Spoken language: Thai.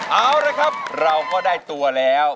เอาละครับเราก็ได้ตัวแล้ว